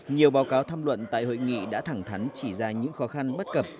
nhiều báo cáo tham luận tại hội nghị đã thẳng thắn chỉ ra những khó khăn bất cập